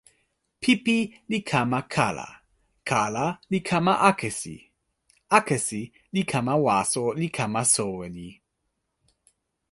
pipi li kama kala. kala li kama akesi. akesi li kama waso li kama soweli.